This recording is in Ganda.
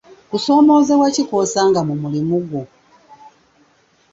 Kusoomoozebwa ki kw'osanga mu mulimu gwo?